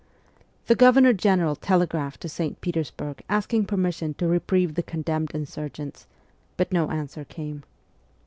The Governor General telegraphed to St. Petersburg asking permission to reprieve the condemned insurgents, but no answer came.